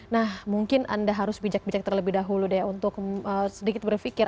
nah mungkin anda harus bijak bijak terlebih dahulu deh untuk sedikit berpikir